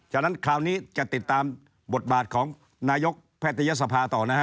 ฉะนั้นคราวนี้จะติดตามบทบาทของนายกแพทยศภาต่อนะฮะ